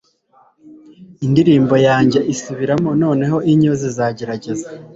indirimbo yanjye isubiramo noneho inyo zizagerageza